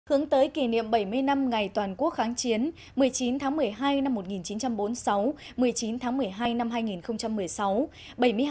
hướng tới kỷ niệm bảy mươi năm ngày toàn quốc kháng chiến một mươi chín tháng một mươi hai năm một nghìn chín trăm bốn mươi sáu một mươi chín tháng một mươi hai năm hai nghìn một mươi sáu